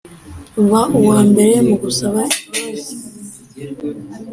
ba uwambere mugusaba imbabazi